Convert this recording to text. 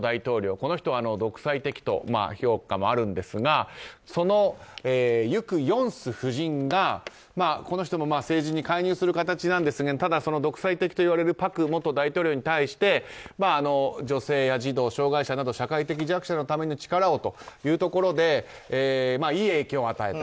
この人は独裁的と評価もあるんですがそのユク・ヨンス夫人がこの人も政治に介入する形なんですが独裁的ともいわれる朴元大統領に対して女性や児童、障害者など社会的弱者のために力をというところでいい影響を与えた。